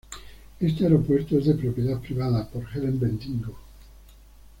Este aeropuerto es de propiedad privada por Helen Bendigo.